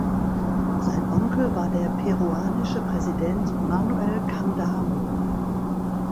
Sein Onkel war der peruanische Präsident Manuel Candamo.